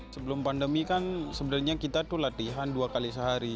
sebelum pandemi kan sebenarnya kita tuh latihan dua kali sehari